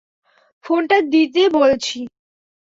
ফোনটা দিতে বলছি!